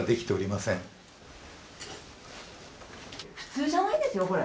普通じゃないですよこれ。